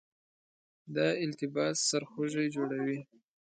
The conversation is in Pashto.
دا التباس سرخوږی جوړوي.